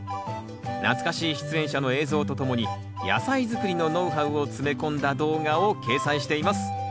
懐かしい出演者の映像とともに野菜づくりのノウハウを詰め込んだ動画を掲載しています。